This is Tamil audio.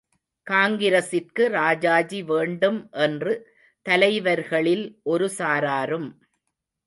காங்கிரசிற்கு ராஜாஜி வேண்டும் என்று தலைவர்களில் ஒரு சாராரும்.